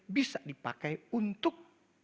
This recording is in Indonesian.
bisa dipakai untuk